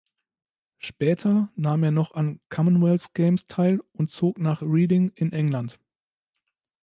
Später nahm er noch an Commonwealth Games teil und zog nach Reading in England.